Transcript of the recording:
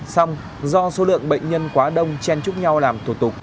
xong do số lượng bệnh nhân quá đông chen chúc nhau làm thủ tục